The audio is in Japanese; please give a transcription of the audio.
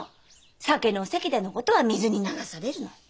酒の席でのことは水に流されるの。